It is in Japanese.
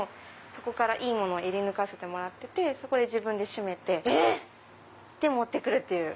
そこからいいものをえり抜かせてもらって自分で締めて持って来るっていう。